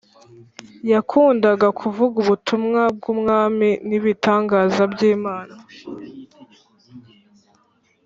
yakundaga kuvuga ubutumwa bwUbwami nibitangaza by Imana